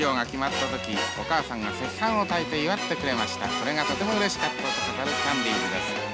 それがとてもうれしかったと語るキャンディーズです。